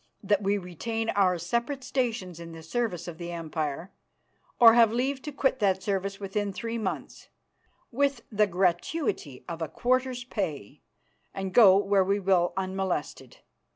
That we retain our separate stations in the service of the Empire, or have leave to quit that service within three months, with the gratuity of a quarter's pay, and go where we will unmolested.